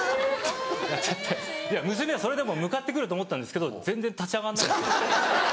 娘はそれでも向かって来ると思ったんですけど全然立ち上がらないんですよ。